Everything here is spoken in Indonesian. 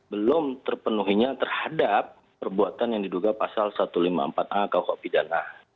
belum terpenuhinya terhadap perbuatan yang diduga pasal satu ratus lima puluh empat a kuh pidana